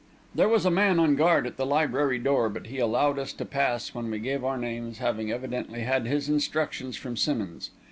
There was a man on guard at the library door, but he allowed us to pass when we gave our names, having evidently had his instructions from Simmonds.